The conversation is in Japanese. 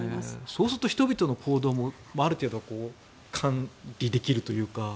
そうすると人々の行動もある程度管理できると。